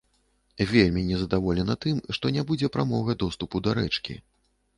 Вельмі незадаволена тым, што не будзе прамога доступу да рэчкі.